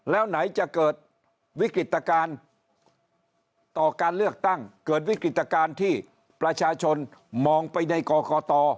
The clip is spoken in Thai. แล้วไหนจะเกิดวิกฤตการณ์ต่อการเลือกตั้งเกิดวิกฤตการณ์ที่ประชาชนมองไปในกรกต